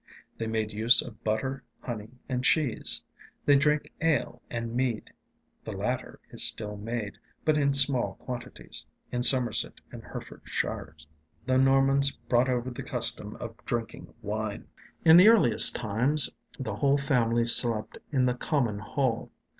They made use of butter, honey, and cheese. They drank ale and mead. The latter is still made, but in small quantities, in Somerset and Hereford shires. The Normans brought over the custom of drinking wine. In the earliest times the whole family slept in the common hall.